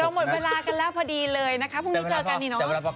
หมดเวลากันแล้วพอดีเลยนะคะพรุ่งนี้เจอกันนี่เนาะ